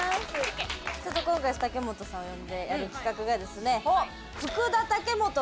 ちょっと今回武元さんを呼んでやる企画がですね。